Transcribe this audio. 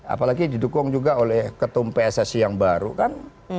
apalagi didukung juga oleh ketum pssi yang baru kan